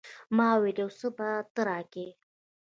ما وويل يو څه به ته راکې.